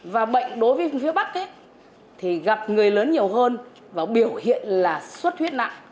và bệnh đối với phía bắc thì gặp người lớn nhiều hơn và biểu hiện là suốt huyết nặng